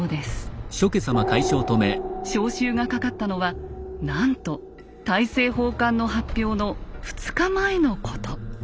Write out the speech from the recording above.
招集がかかったのはなんと大政奉還の発表の２日前のこと。